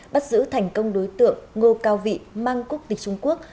bắt giữ thành công đối tượng ngô cao vị mang quốc tịch trung quốc